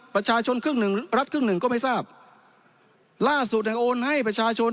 ประชาชนครึ่งหนึ่งรัฐครึ่งหนึ่งก็ไม่ทราบ